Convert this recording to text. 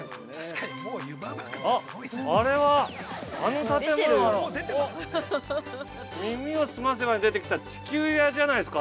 あれはあの建物は「耳をすませば」に出てきた地球屋じゃないですか。